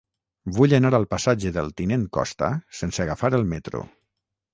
Vull anar al passatge del Tinent Costa sense agafar el metro.